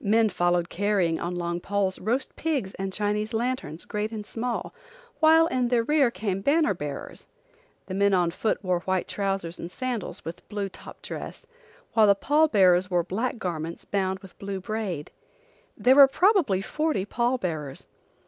Men followed carrying on long poles roast pigs and Chinese lanterns, great and small, while in their rear came banner bearers. The men on foot wore white trousers and sandals, with blue top dress, while the pall bearers wore black garments bound with blue braid. There were probably forty pall bearers.